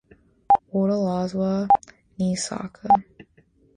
Wodelaswa ni saka.